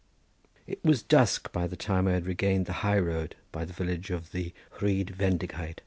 It was dusk by the time I had regained the highroad by the village of the Rhyd Fendigaid.